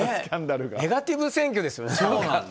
ネガティブ選挙ですよね。